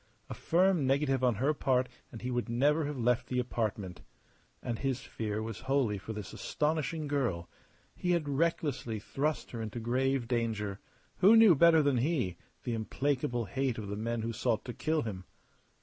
A firm negative on her part and he would never have left the apartment. And his fear was wholly for this astonishing girl. He had recklessly thrust her into grave danger. Who knew, better than he, the implacable hate of the men who sought to kill him?